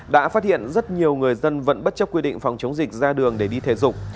đã phát hiện rất nhiều người dân vẫn bất chấp quy định phòng chống dịch ra đường để đi thể dục